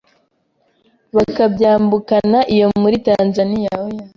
bakabyambukana iyo muri Tanzania.